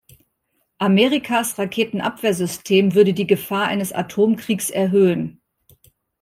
Amerikas Raketenabwehrsystem würde die Gefahr eines Atomkriegs erhöhen.